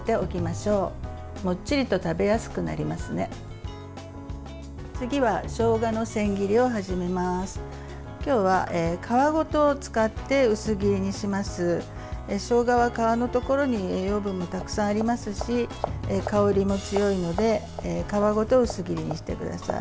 しょうがは、皮のところに栄養分がたくさんありますし香りも強いので皮ごと薄切りにしてください。